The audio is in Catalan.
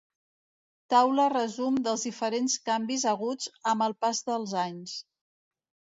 Taula resum dels diferents canvis haguts amb el pas dels anys.